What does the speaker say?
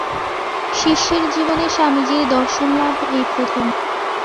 শিষ্যের জীবনে স্বামীজীর দর্শনলাভ এই প্রথম।